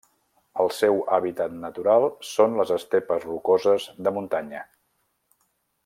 El seu hàbitat natural són les estepes rocoses de muntanya.